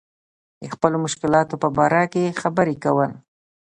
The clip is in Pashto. د خپلو مشکلاتو په باره کې خبرې کول.